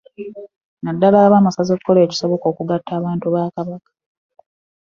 Naddala ab'amasaza okukola buli ekisoboka okugatta abantu ba Kabaka.